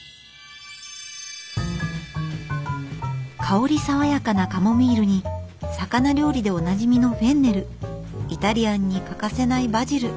香り爽やかなカモミールに魚料理でおなじみのフェンネルイタリアンに欠かせないバジル。